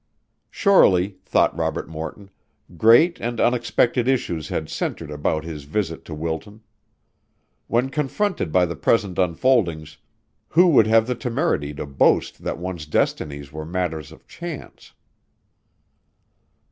Surely, thought Robert Morton, great and unexpected issues had centered about his visit to Wilton. When confronted by the present unfoldings, who would have the temerity to boast that one's destinies were matters of chance?